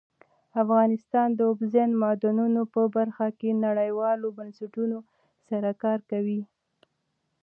افغانستان د اوبزین معدنونه په برخه کې نړیوالو بنسټونو سره کار کوي.